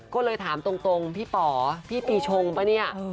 ก็เลยถามตรงพี่ป๋อพี่ปีชงป่ะเนี่ย